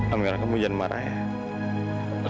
alhamdulillah kamu jangan marah ya